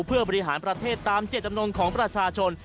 เพื่อบริหารประเทศตามเจตจำนงของประชาชน